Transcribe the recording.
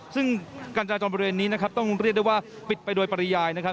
ซึ่งการจันจอนสร้างที่นี้ต้องเรียกได้ว่าปิดไปโดยปริยาย